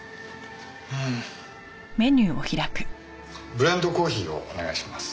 ブレンドコーヒーをお願いします。